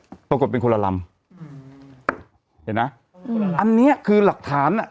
อืมปรากฏเป็นคนลำเห็นไหมอืมอันนี้คือหลักฐานอ่ะ